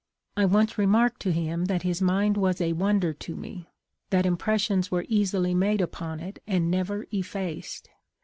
I once remarked to him that his mind was a wonder to me ; that impressions were easily made upon it and never effaced.